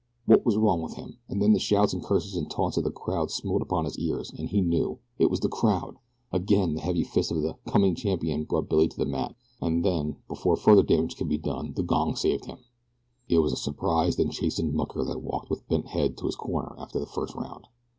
What was wrong with him, and then the shouts and curses and taunts of the crowd smote upon his ears, and he knew. It was the crowd! Again the heavy fist of the "coming champion" brought Billy to the mat, and then, before further damage could be done him, the gong saved him. It was a surprised and chastened mucker that walked with bent head to his corner after the first round.